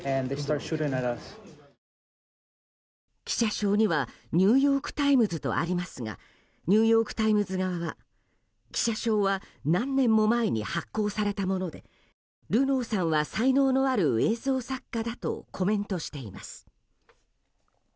記者証にはニューヨーク・タイムズとありますがニューヨーク・タイムズ側は記者証は何年も前に発行されたものでルノーさんは才能のある映像作家だとコメントしています。